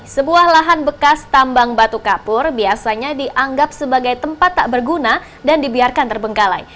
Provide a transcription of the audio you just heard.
sebuah lahan bekas tambang batu kapur biasanya dianggap sebagai tempat tak berguna dan dibiarkan terbengkalai